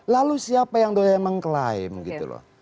lalu siapa yang doyan mengklaim gitu loh